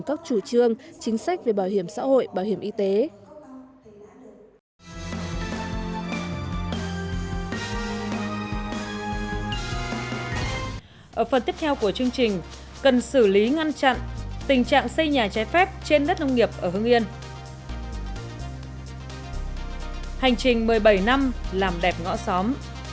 hành trình một mươi bảy năm làm đẹp ngõ xóm